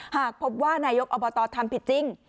หากพบว่านายกอบตทำผิดจริง